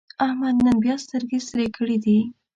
احمد نن بیا سترګې سرې کړې دي.